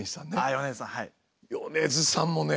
米津さんもね！